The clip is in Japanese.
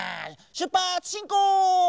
しゅっぱつしんこう！